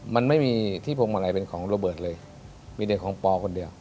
มันไม่มีที่พงมาลัยเป็นของโรเบิร์ตเลยมีเดี๋ยวของปอคนเดียว